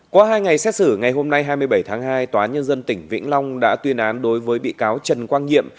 qua hai ngày xét xử ngày hôm nay hai mươi bảy tháng hai tòa nhân dân tỉnh vĩnh long đã tuyên án đối với bị cáo trần quang nhiệm